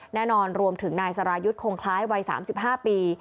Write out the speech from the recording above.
รวมถึงนายสรายุทธ์คงคล้ายวัย๓๕ปี